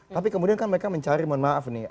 tapi kemudian kan mereka mencari mohon maaf nih